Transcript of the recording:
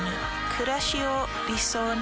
くらしを理想に。